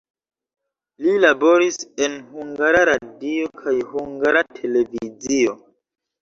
Li laboris en Hungara Radio kaj Hungara Televizio.